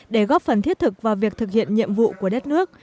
để góp phần thiết thực vào việc thực hiện nhiệm vụ của đất nước